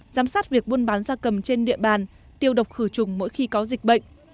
giám sát việc buôn bán gia cầm trên địa bàn tiêu độc khử trùng mỗi khi có dịch bệnh